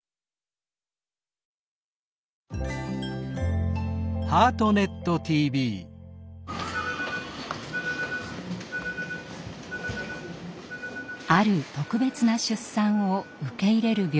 ある「特別な出産」を受け入れる病院があります。